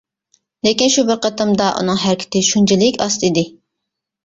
لېكىن شۇ بىر قېتىمدا ئۇنىڭ ھەرىكىتى شۇنچىلىك ئاستا ئىدى.